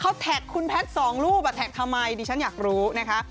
เขาแท็กคุณแพทย์สองรูปแท็กทำไมดิฉันอยากรู้นะคะ